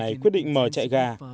anh đã quyết định mở chạy gà